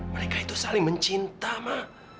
mereka itu saling mencinta ma